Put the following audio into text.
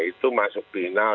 itu masuk final